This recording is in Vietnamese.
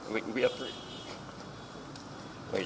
tôi sẽ để lại trong lòng của tôi